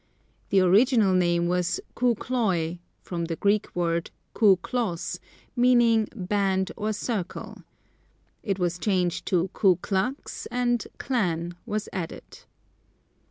The original name was Ku Kloi (from the Greek word Ku Klos), meaning band or circle. It was changed to Ku Klux and Klan was added.